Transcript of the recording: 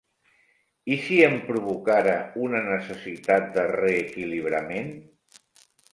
I si em provocara una necessitat de reequilibrament?